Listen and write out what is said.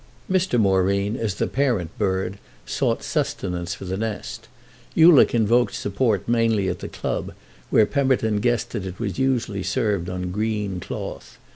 Mr. Moreen, as the parent bird, sought sustenance for the nest. Ulick invoked support mainly at the club, where Pemberton guessed that it was usually served on green cloth.